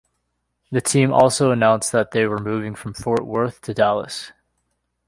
The team also announced that they were moving from Fort Worth to Dallas.